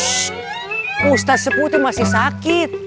shh ustadz sepuh itu masih sakit